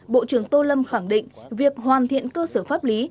bộ trưởng tô lâm khẳng định việc hoàn thiện cơ sở pháp lý